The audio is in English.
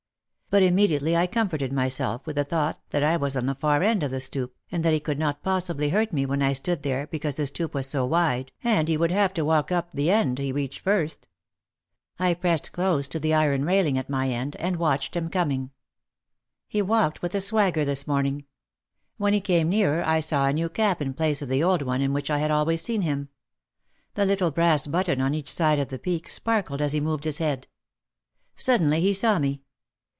But immediately I comforted myself with the thought that I was on the far end of the stoop and that he could not possibly hurt me when I stood there be cause the stoop was so wide and he would have to walk up the end he reached first. I pressed close to the iron railing at my end and watched him coming. He walked 98 OUT OF THE SHADOW with a swagger this morning. When he came nearer I saw a new cap in place of the old one in which I had always seen him. The little brass button on each side of the peak sparkled as he moved his head. Suddenly he saw me.